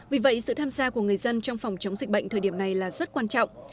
vì vậy sự tham gia của người dân trong phòng chống dịch bệnh thời điểm này là rất quan trọng